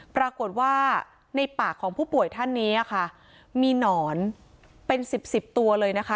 ปรากฏว่าในปากของผู้ป่วยท่านนี้ค่ะมีหนอนเป็นสิบสิบตัวเลยนะคะ